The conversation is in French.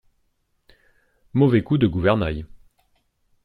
Mauvais coup de gouvernail.